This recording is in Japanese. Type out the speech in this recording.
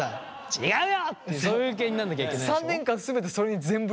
「違うよ！」ってそういう系にならなきゃいけないんでしょ。